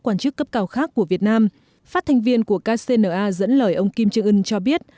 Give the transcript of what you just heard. quan chức cấp cao khác của việt nam phát thanh viên của kcna dẫn lời ông kim jong un cho biết